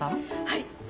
はい！